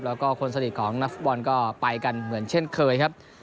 แล้วก็คนสนิทของนักฟุตบอลก็ไปกันเหมือนเช่นเคยครับ